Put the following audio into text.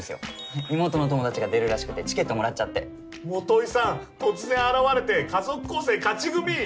妹の友達が出るらしくてチケットもらっちゃって基さん突然現れて家族構成勝ち組！